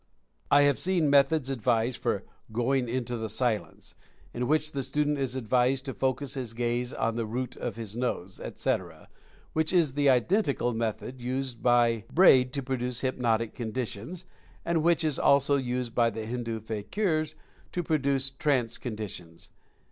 I have seen methods advised for "Going into the Silence," in which the student is advised to focus his gaze on the root of his nose, etc., which is the identical method used by Braid to produce hypnotic conditions, and which is also used by the Hindu fakirs to produce "trance" conditions.